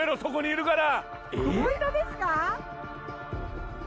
ホントですか？